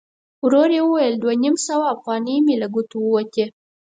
ورو يې وویل: دوه نيم سوه اوغانۍ مې له ګوتو ووتې!